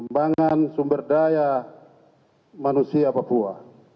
pembangunan sumber daya manusia papua